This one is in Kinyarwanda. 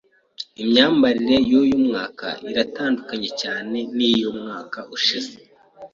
Imyambarire yuyu mwaka iratandukanye cyane niyumwaka ushize.